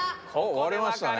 われましたね。